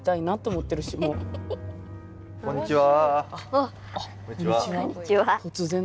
あっこんにちは。